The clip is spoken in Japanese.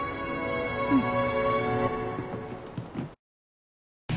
うん。